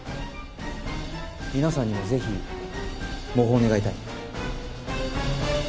皆さんにもぜひ模倣願いたい。